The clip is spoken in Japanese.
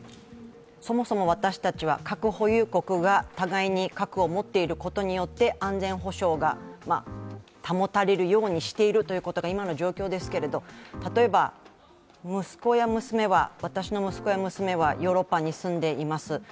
そもそも私たちは核保有国が互いに核を持っていることによって安全保障が保たれるようにしているということが今の状況ですけど、例えば私の息子や娘はヨーロッパに住んでいます。